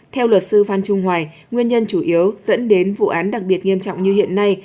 theo luật sư phan trung hoài nguyên nhân chủ yếu dẫn đến vụ án đặc biệt nghiêm trọng như hiện nay